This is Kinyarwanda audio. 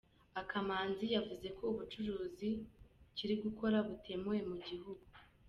Akamanzi yavuze ko ubucuruzi kiri gukora butemewe mu gihugu.